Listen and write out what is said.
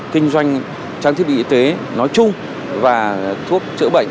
kinh doanh trang thiết bị y tế nói chung và thuốc chữa bệnh